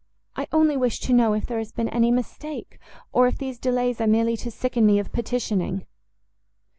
I only wish to know if there has been any mistake, or if these delays are merely to sicken me of petitioning."